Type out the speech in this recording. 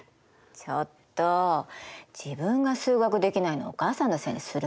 ちょっと自分が数学できないのをお母さんのせいにする？